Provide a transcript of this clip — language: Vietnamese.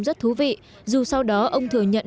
rất thú vị dù sau đó ông thừa nhận